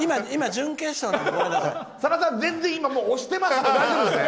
さださん、全然押してますけど大丈夫なんですね？